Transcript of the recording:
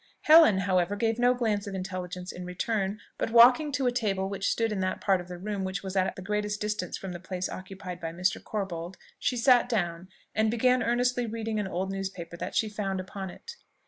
Helen, however, gave no glance of intelligence in return; but, walking to a table which stood in that part of the room which was at the greatest distance from the place occupied by Mr. Corbold, she sat down, and began earnestly reading an old newspaper that she found upon it.